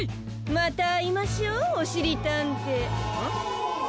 またあいましょうおしりたんてん？